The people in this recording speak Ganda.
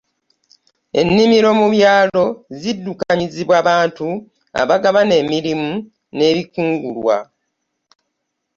Ennimiro mu byalo ziddukanyizibwa bantu abagabana emirimu n’ebikungulwa.